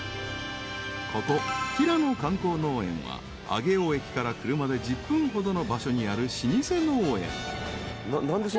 ［ここ平野観光農園は上尾駅から車で１０分ほどの場所にある老舗農園］分からないです。